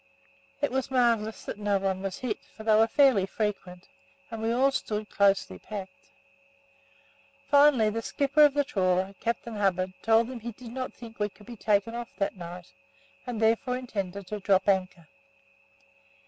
It was marvellous that no one was hit, for they were fairly frequent, and we all stood closely packed. Finally the skipper of the trawler, Captain Hubbard, told me he did not think we could be taken off that night, and therefore intended to drop anchor.